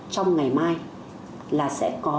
trong ngày mai là sẽ có